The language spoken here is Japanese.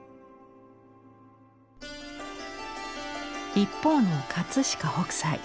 一方の飾北斎。